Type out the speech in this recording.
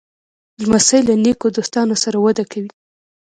لمسی له نیکو دوستانو سره وده کوي.